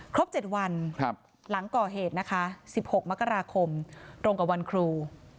ครบ๗วันหลังก่อเหตุนะคะ๑๖มกราคมตรงกับวันครู